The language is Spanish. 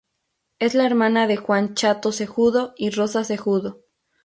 Es la hermana de Juan "Chato" Cejudo y Rosa Cejudo.